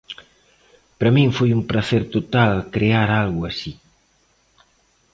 Para min foi un pracer total crear algo así.